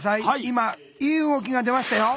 今いい動きが出ましたよ。